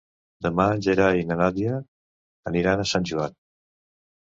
Demà en Gerai i na Nàdia aniran a Sant Joan.